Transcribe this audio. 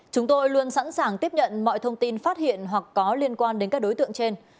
chúng tôi luôn sẵn sàng tiếp nhận mọi thông tin phát hiện hoặc có liên quan đến các đối tượng trên